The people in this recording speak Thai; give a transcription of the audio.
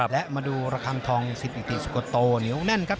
และมาดูระคังทองสิทธิสุโกโตเหนียวแน่นครับ